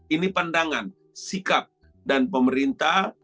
ini pandangan sikap dan pemerintah